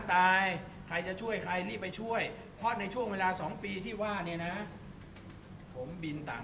ก็ตามคำให้การนะครับตามคำให้การก็มีร้านเก็บร้าน